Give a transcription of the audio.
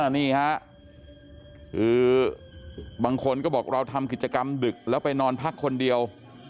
นี่ฮะคือบางคนก็บอกเราทำกิจกรรมดึกแล้วไปนอนพักคนเดียว